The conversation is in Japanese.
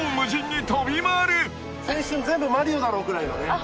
青春全部『マリオ』だろぐらいのね。